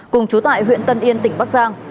cùng chú tại huyện tân yên tỉnh bắc giang